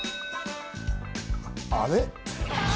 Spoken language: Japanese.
あれ？